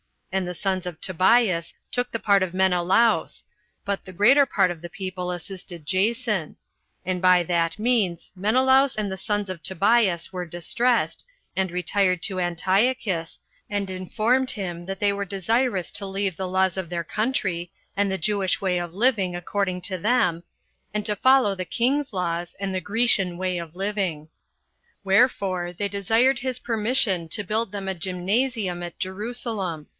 And the sons of Tobias took the part of Menelaus, but the greater part of the people assisted Jason; and by that means Menelaus and the sons of Tobias were distressed, and retired to Antiochus, and informed him that they were desirous to leave the laws of their country, and the Jewish way of living according to them, and to follow the king's laws, and the Grecian way of living. Wherefore they desired his permission to build them a Gymnasium at Jerusalem.